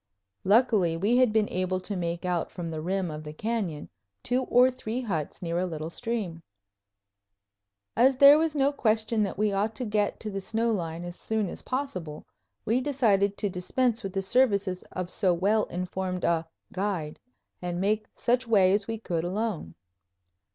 Luckily we had been able to make out from the rim of the canyon two or three huts near a little stream. As there was no question that we ought to get to the snow line as soon as possible, we decided to dispense with the services of so well informed a "guide," and make such way as we could alone.